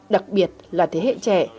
đặc biệt là thế hệ trẻ